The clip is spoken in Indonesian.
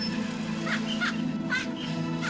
iya kagak percaya